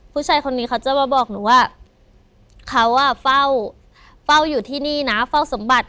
ผู้ชายคนนี้เขาจะมาบอกหนูว่าเขาเฝ้าอยู่ที่นี่นะเฝ้าสมบัติ